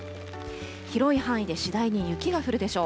広い範囲で次第に雪が降るでしょう。